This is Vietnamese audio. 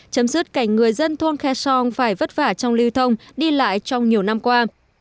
chấm dứt cảnh người dân thôn khe son phải vất vả trong lưu thông đi lại trong nhiều năm qua